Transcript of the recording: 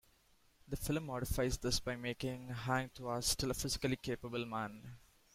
The film modifies this by making Hang Tuah still a physically capable man.